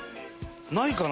ないかな？